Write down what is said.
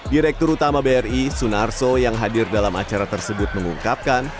direktur utama bri sunarso yang hadir dalam acara tersebut mengungkapkan